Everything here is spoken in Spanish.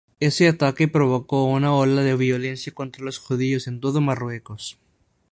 Ese ataque provocó una ola de violencia contra los judíos en todo Marruecos.